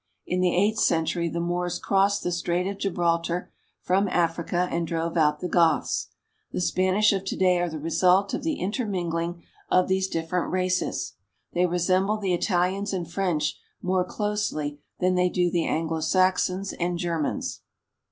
In the eighth century the Moors crossed the Strait of Gibraltar from Africa and drove out the Goths. The Spanish of to day are the result of the inter mingling of these different races. They resemble the Italians and French more closely than they do the Anglo Saxons and Germans.